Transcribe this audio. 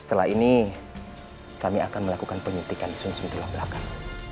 setelah ini kami akan melakukan penyintikan di sumber telah belakang